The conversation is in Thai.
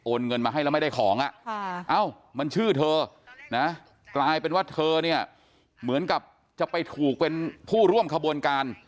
เงินมาให้แล้วไม่ได้ของมันชื่อเธอนะกลายเป็นว่าเธอเนี่ยเหมือนกับจะไปถูกเป็นผู้ร่วมขบวนการ